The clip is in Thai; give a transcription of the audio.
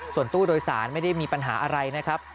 ส่วนตู้โดยสารไม่ได้มีปัญหาอะไรนะครับ